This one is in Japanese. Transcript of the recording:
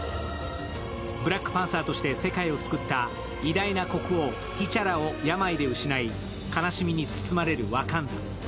ブラックパンサーとして世界を救った、偉大な国王・ティ・チャラを病で失い、悲しみに包まれるワカンダ。